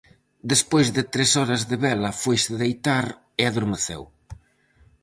Despois de tres horas de vela foise deitar e adormeceu.